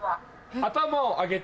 頭を上げて。